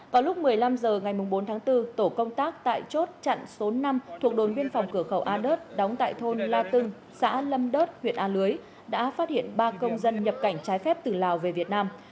vào lúc một mươi năm h ngày bốn tháng bốn tổ công tác tại chốt chặn số năm thuộc đồn biên phòng cửa khẩu a đớt đóng tại thôn la tưng xã lâm đớt huyện a lưới đã phát hiện ba công dân nhập cảnh trái phép từ lào về việt nam